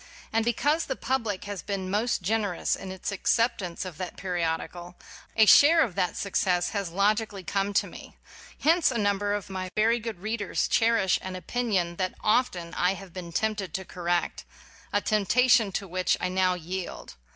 And be cause the public has been most gener ous in its acceptance of that periodical, a share of that success has logically come to me. Hence a number of my very good readers cherish an opinion that often I have been tempted to correct, a temptation to which I now yield.